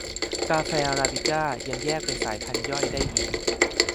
กาแฟอราบิก้ายังแยกเป็นสายพันธุ์ย่อยได้อีก